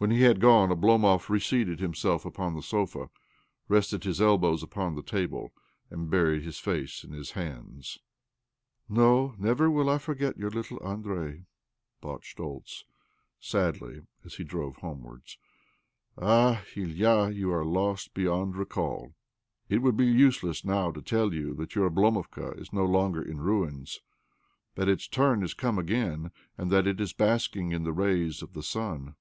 When he had g'one Oblomov reseated himself upon the sofa in his room, rested his elbiows upon the table, and buried his face in his hands. ..." No, never will I forget your little Andrei," thought Schtoltz sadly as he drove homewards. " Ah, Ilya, you are lost beyond recall ! It would be useless now to tell you that your Oblomovka is no longer in ruins, that its turn is come ag'ain, and that it is basking in the rays of the sun.